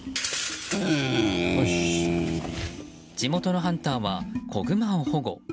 地元のハンターは子グマを保護。